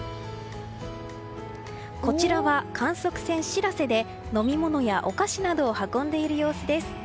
こちらは観測船「しらせ」で飲み物や、お菓子などを運んでいる様子です。